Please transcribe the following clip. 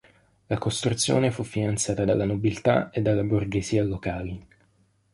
La costruzione fu finanziata dalla nobiltà e dalla borghesia locali.